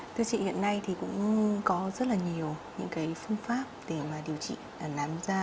thưa chị hiện nay cũng có rất nhiều phương pháp để điều trị nám da